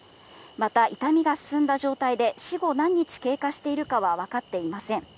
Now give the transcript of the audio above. また、傷みが進んだ状態で、死後何日経過しているかは分かっていません。